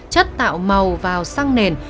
chất tạo màu vào xăng nền